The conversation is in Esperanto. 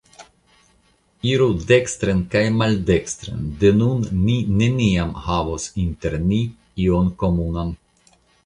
Iru dekstren kaj maldekstren, de nun ni neniam havos inter ni ion komunan.